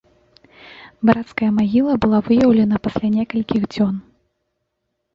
Брацкая магіла была выяўлена пасля некалькіх дзён.